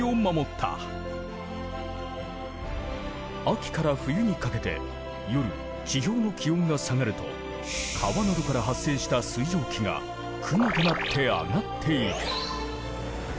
秋から冬にかけて夜地表の気温が下がると川などから発生した水蒸気が雲となって上がっていく。